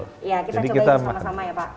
kita cobain sama sama ya pak